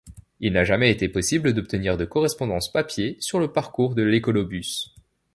Il n'a jamais été possible d'obtenir de correspondance papier sur le parcours de l'Écolobus.